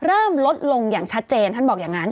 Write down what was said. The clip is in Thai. เริ่มลดลงอย่างชัดเจนท่านบอกอย่างนั้น